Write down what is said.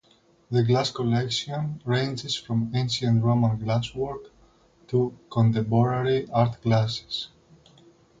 The Glass Collection ranges from ancient Roman glasswork to contemporary art glass.